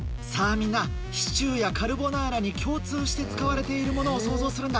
みんなシチューやカルボナーラに共通して使われているものをソウゾウするんだ。